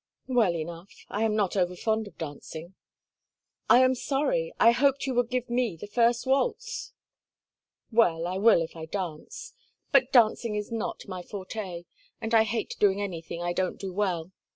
"Well enough. I am not overfond of dancing." "I am sorry. I hoped you would give me the first waltz." "Well, I will if I dance. But dancing is not my forte, and I hate doing anything I don't do well.